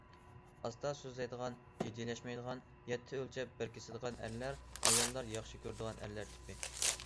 ئاستا سۆزلەيدىغان، جىددىيلەشمەيدىغان، يەتتە ئۆلچەپ، بىر كېسىدىغان ئەرلەر ئاياللار ياخشى كۆرىدىغان ئەرلەر تىپى.